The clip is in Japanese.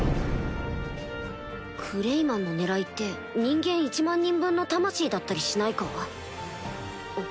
クレイマンの狙いって人間１万人分の魂だったりしないか？